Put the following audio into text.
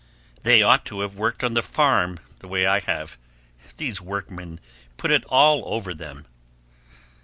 They ought to of worked on the farm, the way I have. These workmen put it all over them."